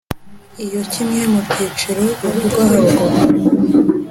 Iyo kimwe mu byiciro bivugwa haruguru